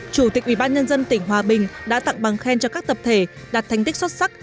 chủ tịch ubnd tỉnh hòa bình đã tặng bằng khen cho các tập thể đạt thành tích xuất sắc